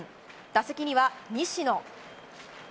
打席には西野。